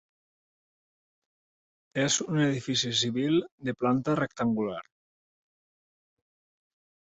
És un edifici civil de planta rectangular.